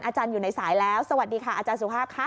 อาจารย์อยู่ในสายแล้วสวัสดีค่ะอาจารย์สุภาพค่ะ